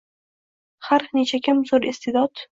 Har nechakim zo’r iste’dod